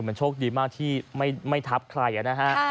มันโชคดีมากที่ไม่ทับใครนะฮะ